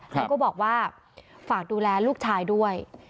เขาก็บอกว่าฝากดูแลลูกชายด้วย